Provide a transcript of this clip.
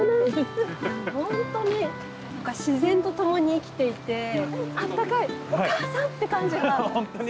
本当に自然と共に生きていてあったかいお母さんって感じがすごくしました。